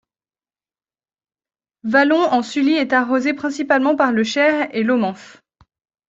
Vallon-en-Sully est arrosé principalement par le Cher et l'Aumance.